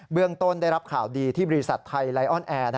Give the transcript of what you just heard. เรื่องต้นได้รับข่าวดีที่บริษัทไทยไลออนแอร์